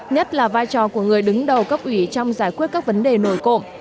nhất là vai trò của người đứng đầu cấp ủy trong giải quyết các vấn đề nổi cộng